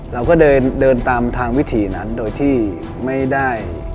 เราก็เดินตามทางวิถีนั้นโดยที่ไม่ได้